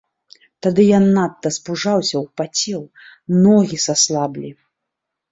Тады я надта спужаўся, упацеў, ногі саслаблі.